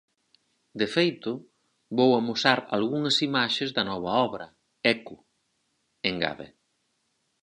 De feito, vou amosar algunhas imaxes da nova obra, Eco, engade.